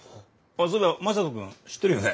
そういえば正門君知ってるよね？